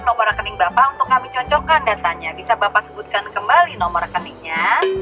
nomor rekening bapak untuk kami cocokkan datanya bisa bapak sebutkan kembali nomor rekeningnya